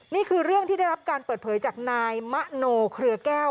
นี่คือเรื่องที่ได้รับการเปิดเผยจากนายมะโนเครือแก้ว